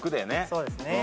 そうですね。